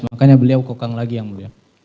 makanya beliau kokang lagi yang mulia